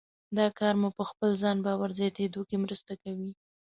دا کار مو په خپل ځان باور زیاتېدو کې مرسته کوي.